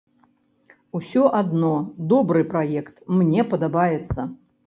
Усё адно добры праект, мне падабаецца.